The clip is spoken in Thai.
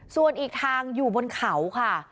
ส่วนอีกทางอยู่บนเขาค่ะ